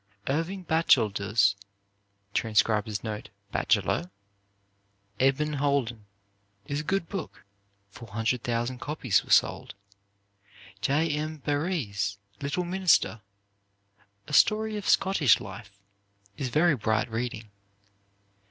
Irving Bachelder's [Transcriber's note: "Bacheller"?] "Eben Holden," is a good book. 400,000 copies were sold. J. M. Barrie's "Little Minister," a story of Scottish life, is very bright reading.